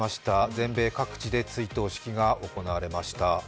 全米各地で追悼式が行われました。